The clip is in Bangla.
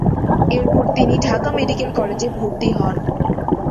এরপর, তিনি ঢাকা মেডিকেল কলেজে ভর্তি হন।